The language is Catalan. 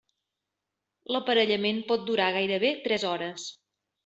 L'aparellament pot durar gairebé tres hores.